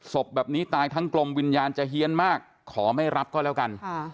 ศพแบบนี้ตายทั้งกลมวิญญาณจะเฮียนมากขอไม่รับก็แล้วกัน